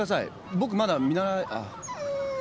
僕まだ見習いあっ。